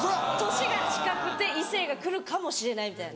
年が近くて異性が来るかもしれないみたいな。